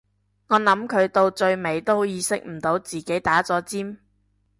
我諗佢到最尾都意識唔到自己打咗尖